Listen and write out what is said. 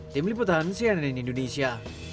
tim liputan cnn indonesia